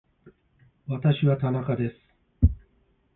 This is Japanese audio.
私は田中です